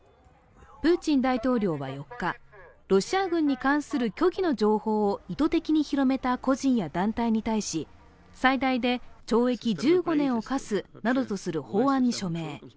プーチン大統領は４日、ロシア軍に関する虚偽の情報を意図的に広めた個人や団体に対し、最大で懲役１５年を科すなどとする法案に署名。